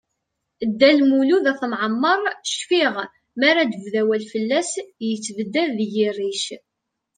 Dda Lmud At Mɛemmeṛ, cfiɣ mi ara d-bdu awal fell-as, yettebdad deg-i rric.